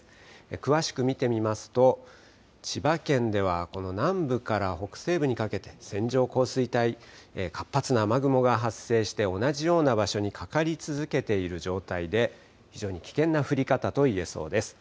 詳しく見てみますと、千葉県ではこの南部から北西部にかけて線状降水帯、活発な雨雲が発生して同じような場所にかかり続けている状態で非常に危険な降り方といえそうです。